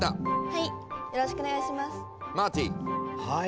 はい。